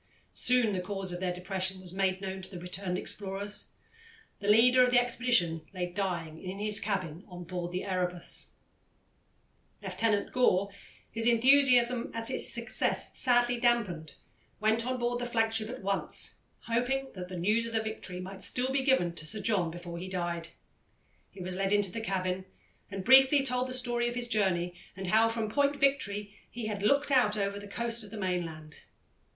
Soon the cause of their depression was made known to the returned explorers. The leader of the expedition lay dying in his cabin on board the Erebus. Lieutenant Gore, his enthusiasm at his success sadly damped, went on board the flagship at once, hoping that the news of victory might still be given to Sir John before he died. He was led into the cabin and briefly told the story of his journey, and how, from Point Victory, he had looked out over to the coast of the mainland.